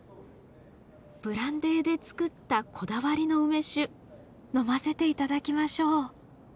ブランデーで造ったこだわりの梅酒呑ませて頂きましょう。